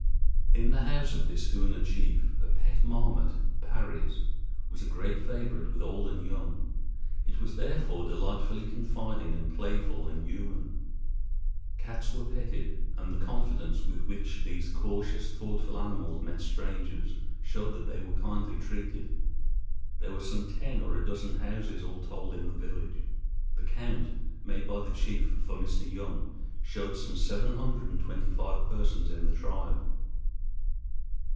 In the house of this Hoona chief a pet marmot (Parry's) was a great favorite with old and young. It was therefore delightfully confiding and playful and human. Cats were petted, and the confidence with which these cautious, thoughtful animals met strangers showed that they were kindly treated. There were some ten or a dozen houses, all told, in the village. The count made by the chief for Mr. Young showed some seven hundred and twenty five persons in the tribe.